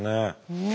うん。